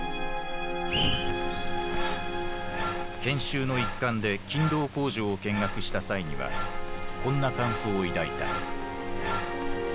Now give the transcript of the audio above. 研修の一環で勤労工場を見学した際にはこんな感想を抱いた。